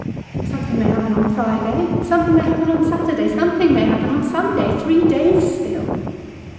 "Something may happen on Friday; something may happen on Saturday; something may happen on Sunday. Three days still!"